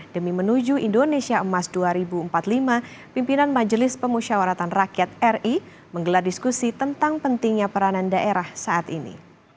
demi menuju indonesia emas dua ribu empat puluh lima pimpinan majelis pemusyawaratan rakyat ri menggelar diskusi tentang pentingnya peranan daerah saat ini